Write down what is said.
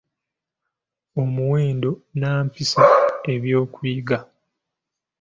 Omuwendo nnampisa: ebyokuyiga